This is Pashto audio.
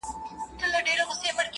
خو موږ د ګټي کار کي سراسر تاوان کړی دی.